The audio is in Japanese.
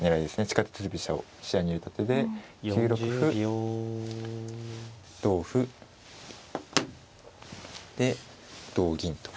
地下鉄飛車を視野に入れた手で９六歩同歩で同銀と。